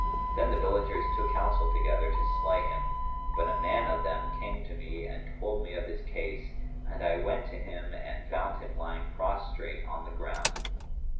Then the villagers took counsel together to slay him; but a man of them came to me and told me of his case, and I went out to him and found him lying prostrate on the ground.